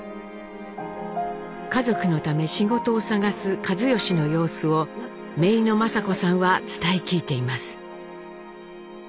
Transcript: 家族のため仕事を探す一嚴の様子をめいの仁子さんは伝え聞いています。